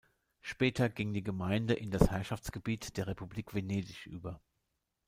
Später ging die Gemeinde in das Herrschaftsgebiet der Republik Venedig über.